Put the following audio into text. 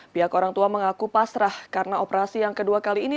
pihak orang tua mengaku pasrah karena operasi yang kedua kali ini